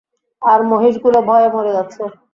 আর মহিষগুলো ভয়ে মরে যাচ্ছে।